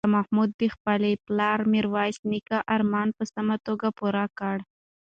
شاه محمود د خپل پلار میرویس نیکه ارمان په سمه توګه پوره کړ.